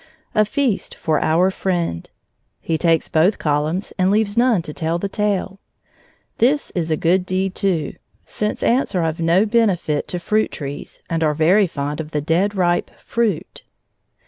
A feast for our friend! He takes both columns, and leaves none to tell the tale. This is a good deed, too, since ants are of no benefit to fruit trees and are very fond of the dead ripe fruit.